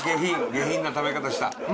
下品な食べ方した。